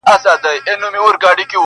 بې سپرلیه بې بارانه ګلان شنه کړي,